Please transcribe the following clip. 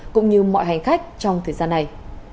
cũng như mọi hành khách trong thời gian này